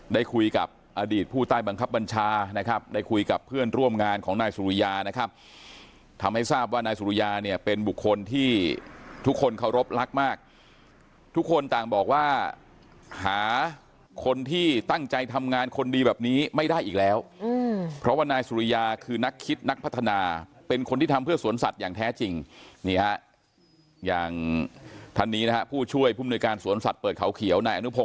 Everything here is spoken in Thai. ได้คุยกับอดีตผู้ใต้บังคับบัญชานะครับได้คุยกับเพื่อนร่วมงานของนายสุริยานะครับทำให้ทราบว่านายสุริยาเนี่ยเป็นบุคคลที่ทุกคนเคารพรักมากทุกคนต่างบอกว่าหาคนที่ตั้งใจทำงานคนดีแบบนี้ไม่ได้อีกแล้วเพราะว่านายสุริยาคือนักคิดนักพัฒนาเป็นคนที่ทำเพื่อสวนสัตว์อย่างแท้จริงนี่ฮะอย่างท่านนี้นะฮะผู้ช่วยผู้มนุยการสวนสัตว์